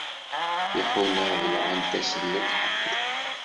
Tiḥuna bellɛent ass n lḥedd.